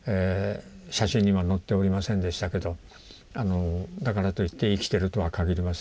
写真には載っておりませんでしたけどだからといって生きてるとは限りませんし。